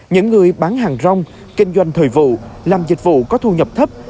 những người bán hàng rong kinh doanh thời vụ làm dịch vụ có thu nhập thấp